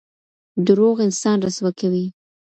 درواغ انسان رسوا کوي.